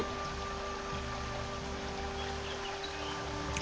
あ。